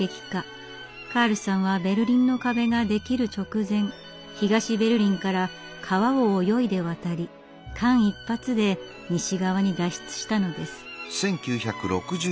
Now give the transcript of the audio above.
カールさんは「ベルリンの壁」ができる直前東ベルリンから川を泳いで渡り間一髪で西側に脱出したのです。